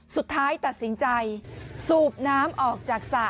สุดท้ายตัดสินใจสูบน้ำออกจากสระ